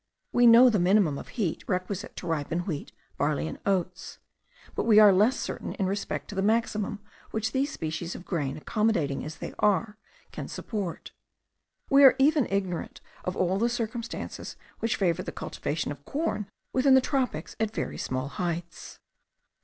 We know the minimum of heat requisite to ripen wheat, barley, and oats; but we are less certain in respect to the maximum which these species of grain, accommodating as they are, can support. We are even ignorant of all the circumstances which favour the culture of corn within the tropics at very small heights.